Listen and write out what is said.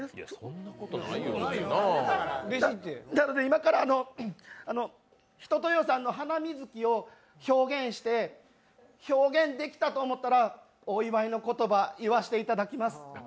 なので、今から一青窈さんの「ハナミズキ」を表現して表現できたと思ったら、お祝いの言葉、言わせていただきます。